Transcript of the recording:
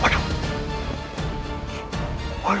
kalahkan mereka ayo